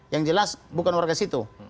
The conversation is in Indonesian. yang jelas bukan warga situ